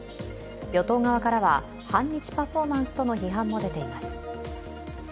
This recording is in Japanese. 与党側からは反日パフォーマンスとの批判も出ています。